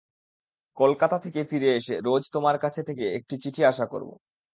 কলকাতা থেকে ফিরে এসে রোজ তোমার কাছ থেকে একটি চিঠি আশা করব।